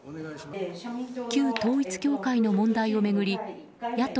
旧統一教会の問題を巡り野党